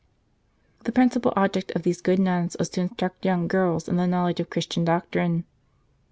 The principal object of these good nuns was to instruct young girls in the knowledge of Christian doctrine.